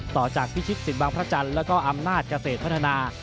ต่อจากพิชิกสินบางพระจันทร์แล้วก็อำนาจเกษตรพัฒนา